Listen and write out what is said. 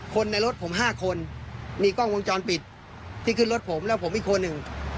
คนในรถผม๕คนมีกล้องวงจรปิดที่ขึ้นรถผมแล้วผมอีกคนหนึ่ง